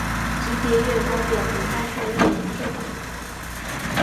级别越高表明灾害越严重。